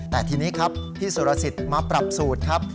แต่ทีนี้ครับพี่สุรสิทธิ์มาปรับสูตรครับ